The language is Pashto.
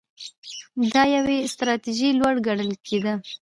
دا تر یوې ستراتیژۍ لوړ ګڼل کېده.